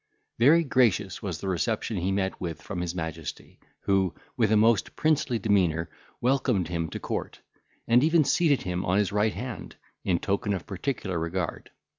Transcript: Very gracious was the reception he met with from his majesty, who, with a most princely demeanour, welcomed him to court, and even seated him on his right hand, in token of particular regard.